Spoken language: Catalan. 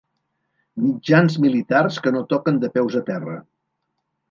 Mitjans militars que no toquen de peus a terra.